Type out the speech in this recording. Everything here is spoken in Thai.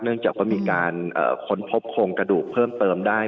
จากว่ามีการค้นพบโครงกระดูกเพิ่มเติมได้